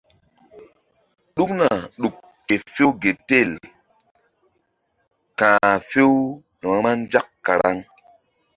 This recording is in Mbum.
Ɗukna ɗuk ke few gel tel ka̧h few-vba nzak karaŋ.